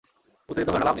উত্তেজিত হয়ো না, লাভ নেই।